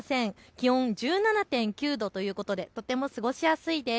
気温１７．９度ということでとても過ごしやすいです。